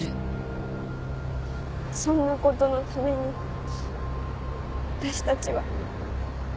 そんなことのために私たちは。